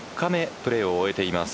プレーを終えています。